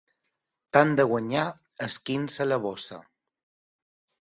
Tant de guanyar, esquinça la bossa.